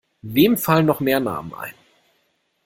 Wem fallen noch mehr Namen ein?